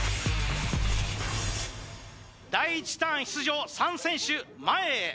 第１ターン出場３選手前へ